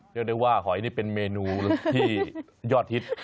เรียกได้ว่าหอยนี่เป็นเมนูที่ยอดฮิต